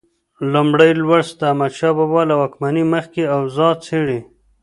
لومړی لوست د احمدشاه بابا له واکمنۍ مخکې اوضاع څېړي.